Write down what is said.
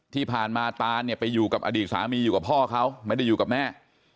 ที่ผ่านมาตานเนี่ยไปอยู่กับอดีตสามีอยู่กับพ่อเขาไม่ได้อยู่กับแม่